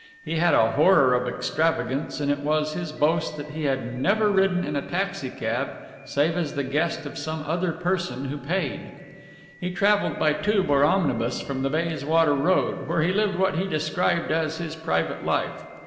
He had a horror of extravagance and it was his boast that he had never ridden in a taxi cab save as the guest of some other person who paid. He travelled by tube or omnibus from the Bayswater Road, where he lived what he described as his private life.